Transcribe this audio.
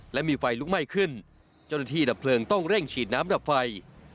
และมีไฟลุกไหม้ขึ้นเจ้าหน้าที่ดับเพลิงต้องเร่งฉีดน้ำดับไฟ